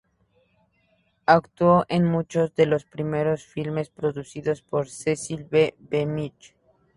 Actuó en muchos de los primeros filmes producidos por Cecil B. DeMille.